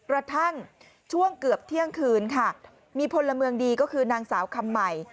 กระทั่งช่วงเกือบเที่ยงคืนค่ะมีพลเมืองดีก็คือนางสาวคำใหม่